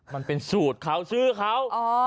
มันเป็นสูตรเขาชื่อเขา